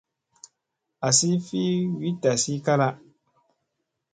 Asi fi wi tasi kala.